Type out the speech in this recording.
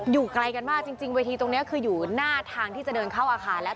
อยู่ไกลกันมากจริงเวทีตรงนี้คืออยู่หน้าทางที่จะเดินเข้าอาคารแล้ว